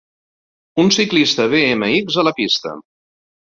Un ciclista BMX a la pista.